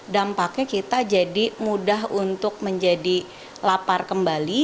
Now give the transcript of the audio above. dampaknya kita jadi mudah untuk menjadi lapar kembali